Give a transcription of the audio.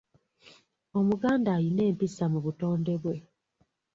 Omuganda ayina empisa mu butonde bwe.